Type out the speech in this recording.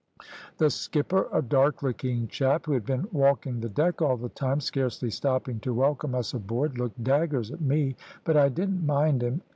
"The skipper, a dark looking chap, who had been walking the deck all the time, scarcely stopping to welcome us aboard, looked daggers at me, but I didn't mind him.